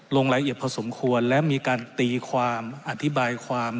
ลงรายละเอียดพอสมควรและมีการตีความอธิบายความ